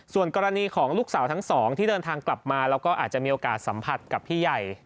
ส่วนกรณีของลูกสาวทั้งสองที่เดินทางกลับมาแล้วก็อาจจะมีโอกาสสัมผัสกับพี่ใหญ่